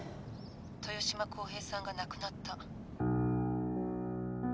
豊島浩平さんが亡くなった。